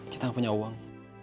kita gak punya uang